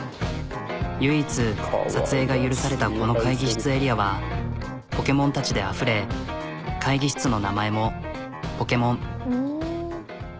唯一撮影が許されたこの会議室エリアはポケモンたちであふれ会議室の名前もポケモン。